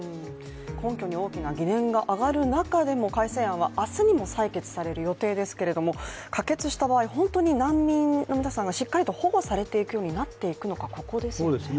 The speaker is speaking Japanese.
根拠に大きな疑念が上がる中でも改正案は明日にも採決される予定ですけれども可決した場合、本当に難民の皆さんがしっかり保護されていくようになるのかここですよね。